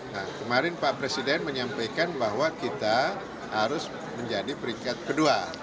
nah kemarin pak presiden menyampaikan bahwa kita harus menjadi peringkat kedua